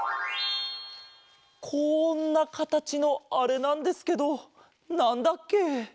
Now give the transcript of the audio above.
こんなかたちのあれなんですけどなんだっけ？